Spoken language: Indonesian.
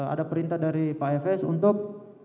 ada perintah dari pak efes untuk